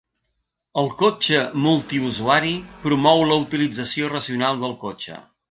El cotxe multiusuari promou la utilització racional del cotxe.